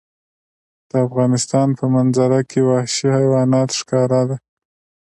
د افغانستان په منظره کې وحشي حیوانات ښکاره ده.